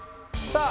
さあ